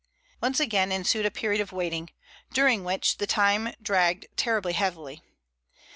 Once again ensued a period of waiting, during which the time dragged terribly heavily.